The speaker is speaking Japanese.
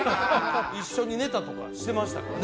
一緒にネタとかしてましたからね